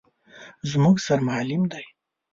_زموږ سر معلم دی.